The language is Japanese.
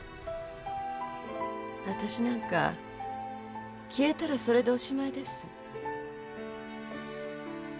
私なんか消えたらそれでおしまいです。